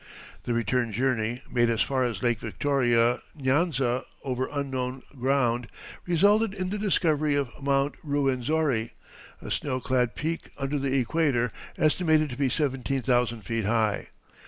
The return journey, made as far as Lake Victoria Nyanza over unknown ground, resulted in the discovery of Mount Ruwenzori, a snow clad peak under the Equator, estimated to be seventeen thousand feet high.